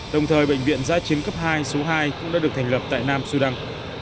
đồng thời bệnh viện giai chiến cấp hai số hai cũng đã được thành lập tại nam sudan